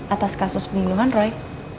atas kasus pembunuhan roy